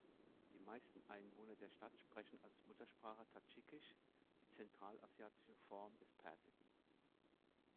Die meisten Einwohner der Stadt sprechen als Muttersprache Tadschikisch, die zentralasiatische Form des Persischen.